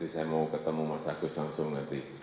saya mau ketemu mas agus langsung nanti